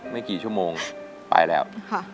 ไม่กี่ชั่วโมงไปแล้ว